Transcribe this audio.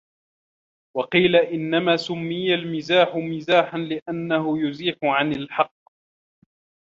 وَقِيلَ إنَّمَا سُمِّيَ الْمِزَاحُ مِزَاحًا لِأَنَّهُ يُزِيحُ عَنْ الْحَقِّ